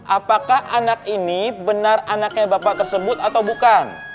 apakah anak ini benar anaknya bapak tersebut atau bukan